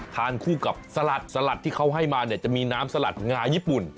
ทานคู่กับสลัดสลัดที่เขาให้มาเนี่ยจะมีน้ำสลัดงาญี่ปุ่น